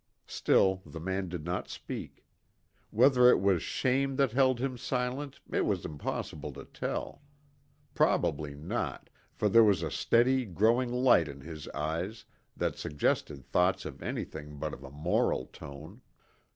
Still the man did not speak. Whether it was shame that held him silent it was impossible to tell. Probably not, for there was a steadily growing light in his eyes that suggested thoughts of anything but of a moral tone.